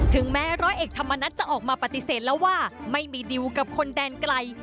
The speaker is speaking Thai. ถึงแม้ร้อยเอกธรรมนัฐจะออกมาปฏิเสธแล้วว่าไม่มีดิวกับคนแดนไกล